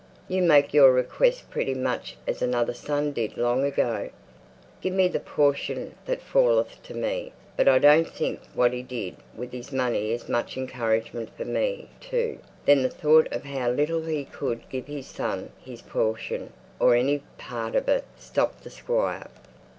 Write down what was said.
"You make your request pretty much as another son did long ago: 'Give me the portion that falleth to me.' But I don't think what he did with his money is much encouragement for me to ." Then the thought of how little he could give his son his "portion," or any part of it, stopped the Squire.